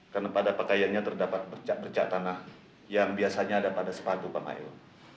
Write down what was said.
karena pada pakaiannya terdapat percak percak tanah yang biasanya ada pada sepatu pak mail